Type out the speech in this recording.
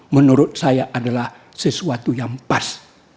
menurut saya adalah sesuatu yang pas